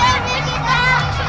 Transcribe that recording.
itu dia tuh